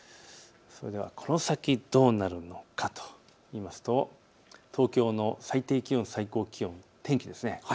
この先どうなるのかといいますと東京の最低気温、最高気温、天気です。